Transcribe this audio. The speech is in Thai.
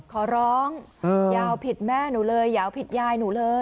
ขอร้องอย่าเอาผิดแม่หนูเลยอย่าเอาผิดยายหนูเลย